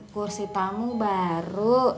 kursi tamu baru